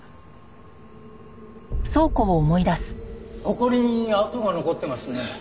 ほこりに跡が残ってますね。